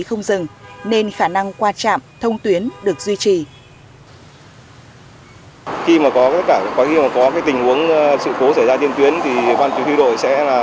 không dừng nên khả năng qua trạm thông tuyến được duy trì